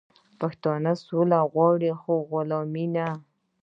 پښتون سوله غواړي خو غلامي نه.